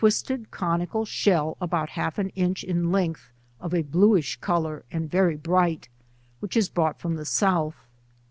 sted conical shell about half an inch in length of a blueish colour and very bright, which is brought from the South.